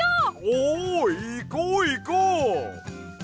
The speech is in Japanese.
おう！いこういこう！